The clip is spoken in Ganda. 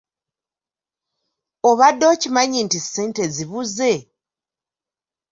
Obadde okimanyi nti ssente zibuze?